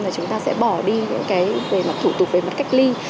là chúng ta sẽ bỏ đi những cái về mặt thủ tục về mặt cách ly